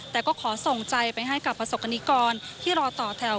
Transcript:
แต่ก็ขอส่งใจไปให้กับประสบกรณิกรที่รอต่อแถว